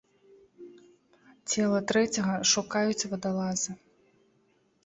Цела трэцяга шукаюць вадалазы.